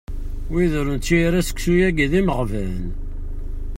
Wid ur nečči ara seksu-yagi d imeɣban.